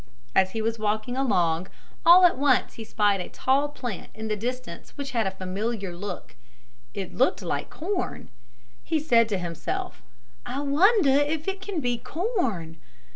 As he was walking along, all at once he spied a tall plant in the distance which had a familiar look. It looked like corn. He said to himself, "I wonder if it can be corn."